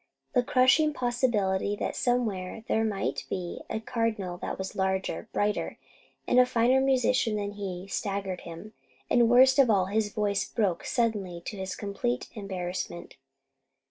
The crushing possibility that somewhere there might be a cardinal that was larger, brighter, and a finer musician than he, staggered him; and worst of all, his voice broke suddenly to his complete embarrassment.